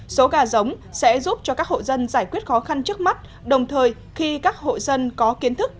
số gà giống sẽ giúp cho các hộ dân giải quyết khó khăn trước mắt đồng thời khi các hộ dân có kiến thức